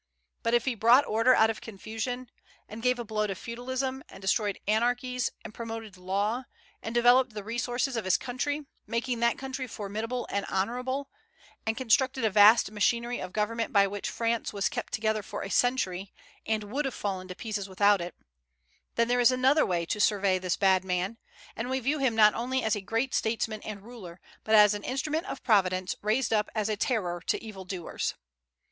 But if he brought order out of confusion, and gave a blow to feudalism, and destroyed anarchies, and promoted law, and developed the resources of his country, making that country formidable and honorable, and constructed a vast machinery of government by which France was kept together for a century, and would have fallen to pieces without it, then there is another way to survey this bad man; and we view him not only as a great statesman and ruler, but as an instrument of Providence, raised up as a terror to evil doers.